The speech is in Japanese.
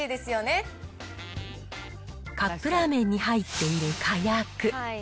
カップラーメンに入っているかやく。